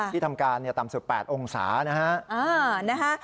ที่ทำการต่ำสุด๘องศานะฮะ